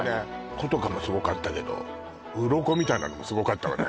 古都華もすごかったけどウロコみたいなのもすごかったわね